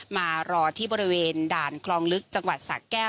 มารอที่บริเวณด่านคลองลึกจังหวัดสะแก้ว